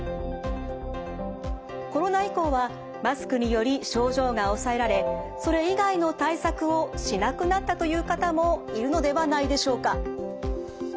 コロナ以降はマスクにより症状が抑えられそれ以外の対策をしなくなったという方もいるのではないでしょうか。